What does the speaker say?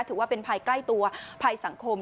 ถือว่าเป็นภัยใกล้ตัวภัยสังคม